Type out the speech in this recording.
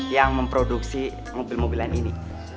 yang memproduksi mobil mobilan ini